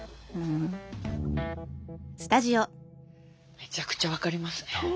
めちゃくちゃ分かりますね。